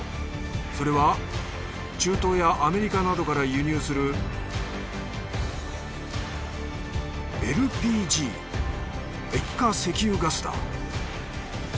それは中東やアメリカなどから輸入するＬＰＧ液化石油ガスだ。